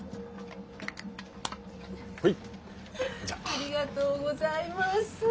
ありがとうございます。